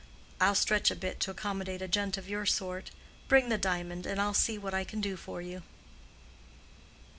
I'll stretch a point to accommodate a gent of your sort. Bring the diamond, and I'll see what I can do for you."